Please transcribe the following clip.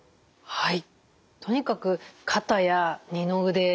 はい。